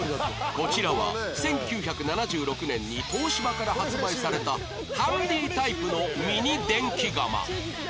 こちらは１９７６年に東芝から発売されたハンディータイプのミニ電気がま